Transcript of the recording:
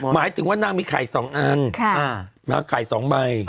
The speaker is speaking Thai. หมายถึงว่านางมีไข่๒อันนางไข่๒ใบ